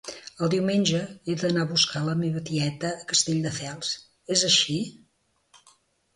El diumenge he d'anar a buscar a la meva tieta a Castelldefels; és així?